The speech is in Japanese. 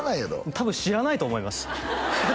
多分知らないと思います